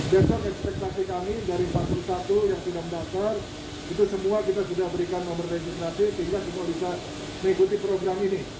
besok ekspektasi kami dari empat puluh satu yang sudah mendaftar itu semua kita sudah berikan nomor registrasi sehingga semua bisa mengikuti program ini